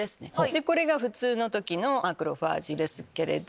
これが普通の時のマクロファージです。